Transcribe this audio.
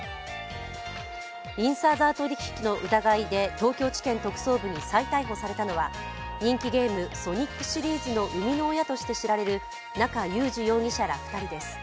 インサイダー取引の疑いで東京地検特捜部に再逮捕されたのは、人気ゲーム「ソニック」シリーズの生みの親として知られる中裕司容疑者ら２人です。